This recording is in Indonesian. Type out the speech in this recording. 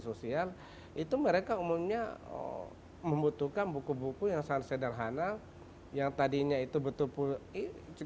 sosial itu mereka umumnya membutuhkan buku buku yang sangat sederhana yang tadinya itu betul betul